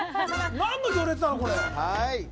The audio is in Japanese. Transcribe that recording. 何の行列なの、これ。